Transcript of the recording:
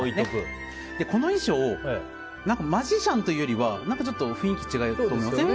この衣装マジシャンというよりはちょっと雰囲気違うと思いません？